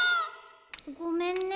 ごめんね。